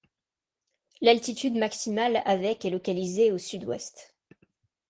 L'altitude maximale avec est localisée au sud-ouest.